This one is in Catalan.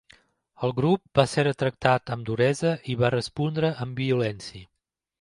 El grup va ser tractat amb duresa i va respondre amb violència.